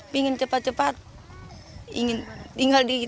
pingin cepat cepat tinggal di tempat